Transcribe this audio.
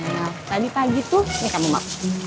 nah tadi pagi tuh ini kamu ngomong